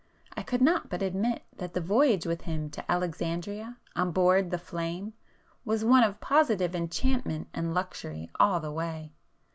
I could not but admit that the voyage with him to Alexandria on board 'The Flame' was one of positive enchantment and luxury all the way.